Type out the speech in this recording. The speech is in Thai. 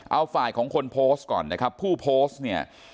เอาฝ่ายของคนโพสต์ก่อนนะครับผู้โพสต์เนี่ย